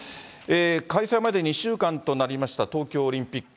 開催まで２週間となりました、東京オリンピック。